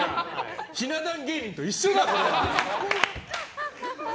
ひな壇芸人だと一緒だ！